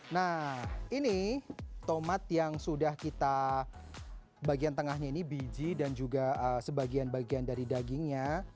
nah ini tomat yang sudah kita bagian tengahnya ini biji dan juga sebagian bagian dari dagingnya